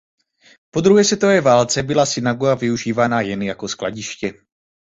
Po druhé světové válce byla synagoga využívána jen jako skladiště.